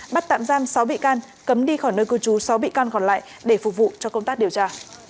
bắt tạm giam sáu bị can cấm đi khỏi nơi cư trú sáu bị can còn lại để phục vụ cho công tác điều tra